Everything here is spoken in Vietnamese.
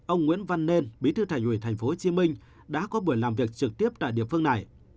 ông nguyễn văn nên bí thư thành ủy tp hcm đã có buổi làm việc trực tiếp tại địa phương này